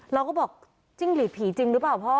เราก็บอกจิ้งหลีดผีจริงหรือเปล่าพ่อ